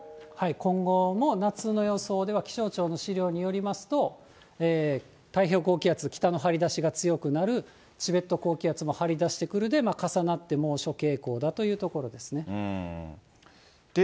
今後も夏の予想では、気象庁の資料によりますと、太平洋高気圧、北の張り出しが強くなる、チベット高気圧も張り出してくるで、重なって猛暑傾向だというところですね。